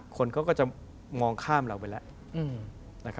คนเขาก็จะมองข้ามเราไปแล้ว